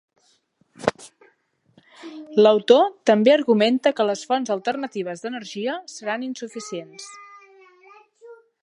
L'autor també argumenta que les fonts alternatives d'energia seran insuficients.